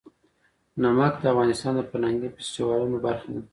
نمک د افغانستان د فرهنګي فستیوالونو برخه ده.